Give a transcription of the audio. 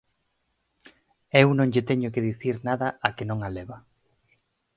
Eu non lle teño que dicir nada a quen non a leva.